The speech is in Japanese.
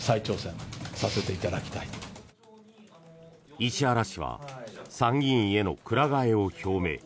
石原氏は参議院へのくら替えを表明。